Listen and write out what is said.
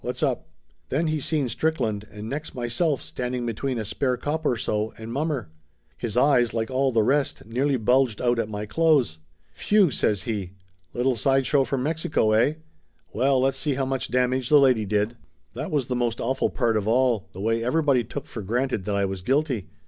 What's up ?" Then he seen Strickland, and next my self, standing between a spare cop or so, and mommer. His eyes like all the rest, nearly bulged out at my clothes. "Phew!" says he. "Little side show from Mexico, eh ? Well, let's see how much damage the lady did !" That was the most awful part of all, the way every body took for granted that I was guilty.